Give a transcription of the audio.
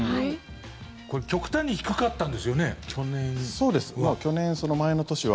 これ、極端に低かったんですよね、去年は。